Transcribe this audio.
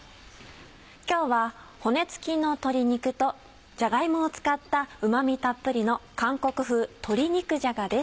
今日は骨つきの鶏肉とじゃが芋を使ったうま味たっぷりの「韓国風鶏肉じゃが」です。